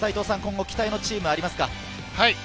今後、期待のチームはありますか。